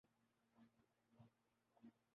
سکھوں یا دیگر مذاہب کی شادیاں ہوں۔